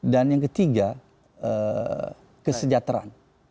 dan yang ketiga kesejahteraan